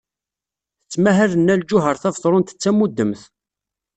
Tettmahal Nna Lǧuheṛ Tabetṛunt d tamudemt.